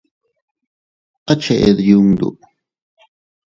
¿A cheʼed yundu?